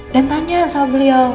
dan tanya sama beliau